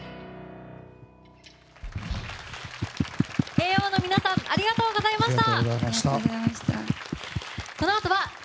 Ａｏの皆さんありがとうございました。